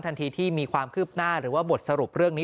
ทันทีที่มีความคืบหน้าหรือว่าบทสรุปเรื่องนี้